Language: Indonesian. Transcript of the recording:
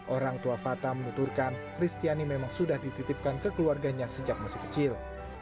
orang tua fata menuturkan kristiani memang sudah dititipkan ke keluarganya sejak masih kecil